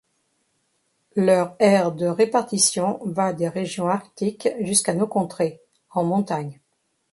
Leur aire de répartition va des régions arctiques jusqu'à nos contrées, en montagne.